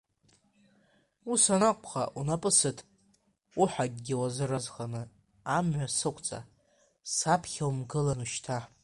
Ус анакәха, унапы сыҭ, уҳақгьы уазыразханы амҩа сықәҵа, саԥхьа умгылан ушьҭа!